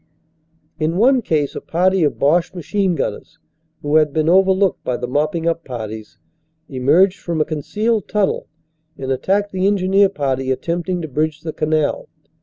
In one case a party of Boche machine gunners, who had been overlooked by the mopping up parties, emerged from a concealed tunnel and attacked the engineer party attempting to bridge the canal.